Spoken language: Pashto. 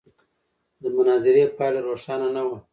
د مناظرې پایله روښانه نه وه.